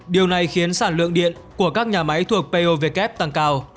điều này khiến sản lượng điện của các nhà máy thuộc pow tăng cao